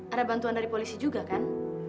ada bantuan dari polisi juga kan